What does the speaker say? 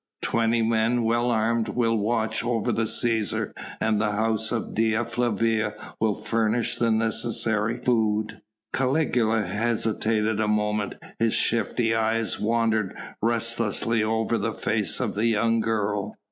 Twenty men well armed will watch over the Cæsar and the house of Dea Flavia will furnish the necessary food." Caligula hesitated a moment, his shifty eyes wandered restlessly over the face of the young girl.